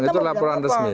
itu laporan resmi